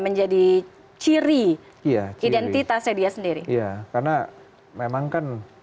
sendiri karena memang kan